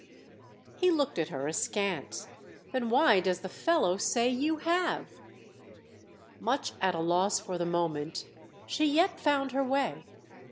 He looked at her askance. "Then why does the fellow say you have?" Much at a loss for the moment, she yet found her way.